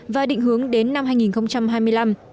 và định hướng đến năm hai nghìn hai mươi năm